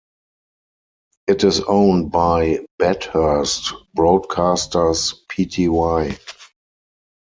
It is owned by Bathurst Broadcasters Pty.